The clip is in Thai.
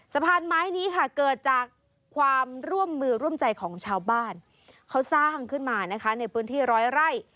สะพานไม้นี้ค่ะเกิดจากความร่วมมือร่วมใจของชาวบ้านเขาสร้างขึ้นมานะคะในพื้นที่ร้อยไร่